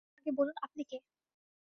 তার আগে বলুন, আপনি কে?